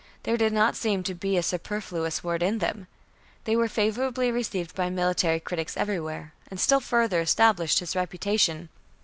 There did not seem to be a superfluous word in them. They were favorably received by military critics everywhere, and still further established his reputation.